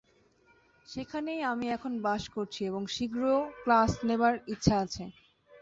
সেখানেই আমি এখন বাস করছি এবং শীঘ্র ক্লাস নেবার ইচ্ছা আছে।